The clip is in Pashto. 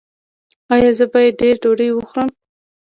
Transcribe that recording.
ایا زه باید ډیره ډوډۍ وخورم؟